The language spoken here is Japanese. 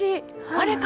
あれか！